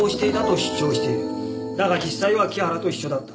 だが実際は木原と一緒だった。